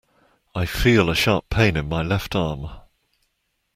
I feel a sharp pain in my left arm.